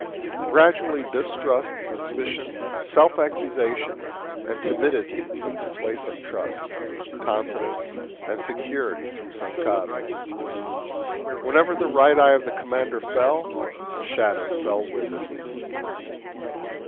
Gradually distrust, suspicion, self accusation, and timidity took the place of trust, confidence, and security throughout San Carlos. Whenever the Right Eye of the Commander fell, a shadow fell with it.